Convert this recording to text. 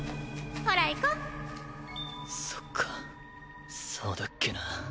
ホラいこそっかそうだっけな。